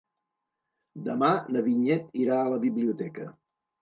Demà na Vinyet irà a la biblioteca.